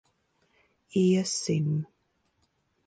Iesim.